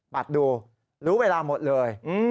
ดูรู้เวลาหมดเลย